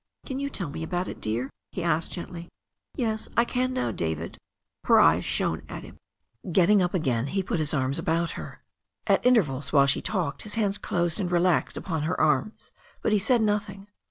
"Can you tell me about it, dear?" he asked gently. *'Yes, I can now, David." Her eyes shone at him. Getting up again, he put his arms about her. At inter vals while she talked his hands closed and relaxed upon her arms, but he said nothing.